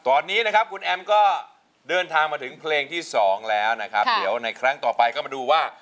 ตอนนี้นะครับคุณแอมก็เดินทางมาถึงเพลงที่สองแล้วนะครับเดี๋ยวในครั้งต่อไปก็มาดูว่า